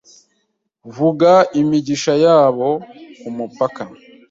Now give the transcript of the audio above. Vuga imigisha yabo kumupaka